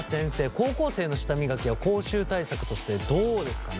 高校生の舌磨きは口臭対策としてどうですかね？